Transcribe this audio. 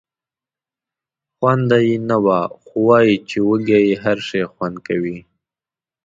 خونده یې نه وه خو وایي چې وږی یې هر شی خوند کوي.